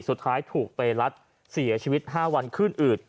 สุดท้ายถูกเตรลัดเสียชีวิต๕วันขึ้นอืด